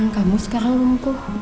eyang kamu sekarang lumpuh